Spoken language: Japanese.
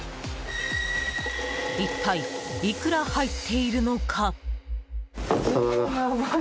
一体いくら入っているのか。